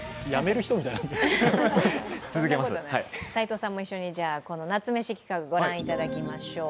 齋藤さんも一緒に夏メシ企画御覧いただきましょう。